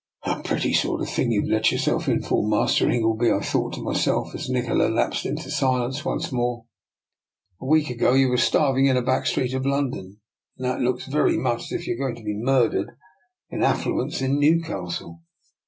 " A pretty sort of thing you've let yourself in for. Master Ingleby! " I thought to myself as Nikola lapsed into silence once more. " A week ago you were starving in a back street in London, and now it looks very much as if you are going to be murdered in affluence in Newcastle.